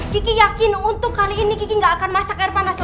kiki yakin untuk kali ini kiki gak akan masak air panas lagi